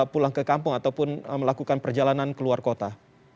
pulang ke kampung ataupun melakukan perjalanan ke luar kota